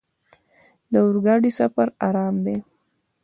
د اورګاډي سفر ارام دی.